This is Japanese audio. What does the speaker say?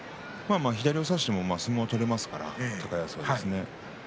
左を差しても相撲が取れますから高安の場合はですね。